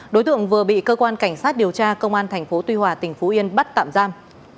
đối tượng vừa bị cơ quan cảnh sát điều tra công an tp tuy hòa tỉnh phú yên bắt tạm giam